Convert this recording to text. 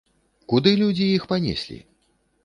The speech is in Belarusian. Куды людзі іх панеслі?